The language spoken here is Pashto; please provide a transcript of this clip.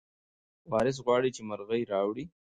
وارث غواړي چې مرغۍ راوړي.